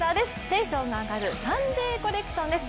テンションが上がるサンデーコレクションです。